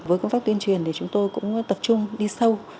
với công tác tuyên truyền thì chúng tôi cũng tập trung đi sâu